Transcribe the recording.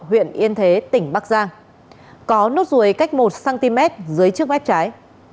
huyện yên thế tỉnh bắc giang có nốt ruồi cách một cm dưới trước mép trái